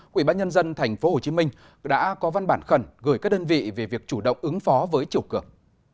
quỹ bác nhân dân tp hcm đã có văn bản khẩn gửi các đơn vị về việc chủ động ứng phó với chiều cường